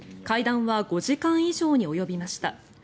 会談は５時間以上に及びました。